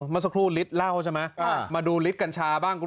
มาเมื่อสักครู่ลิตรเล่ามาดูลิตรกัญชาบ้าง